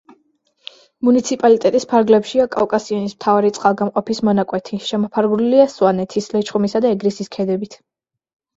მუნიციპალიტეტის ფარგლებშია კავკასიონის მთავარი წყალგამყოფის მონაკვეთი, შემოფარგლულია სვანეთის, ლეჩხუმისა და ეგრისის ქედებით.